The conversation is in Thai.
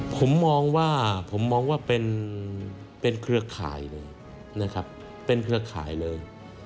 ผมมองว่าผมมองว่าเป็นเครือข่ายเลยนะครับเป็นเครือข่ายเลย